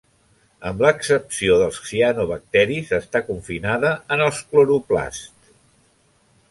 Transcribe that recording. Amb l'excepció dels cianobacteris, està confinada en els cloroplasts.